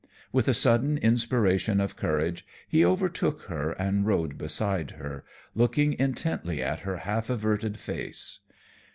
With a sudden inspiration of courage he overtook her and rode beside her, looking intently at her half averted face.